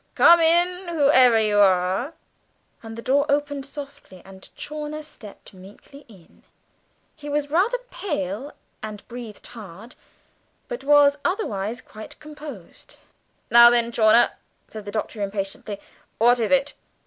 Come in, whoever you are." And the door opened softly, and Chawner stepped meekly in; he was rather pale and breathed hard, but was otherwise quite composed. "Now, then, Chawner," said the Doctor impatiently, "what is it?